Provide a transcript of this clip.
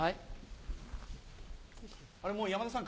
あれもう山田さん